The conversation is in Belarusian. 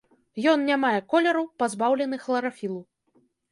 Ён не мае колеру, пазбаўлены хларафілу.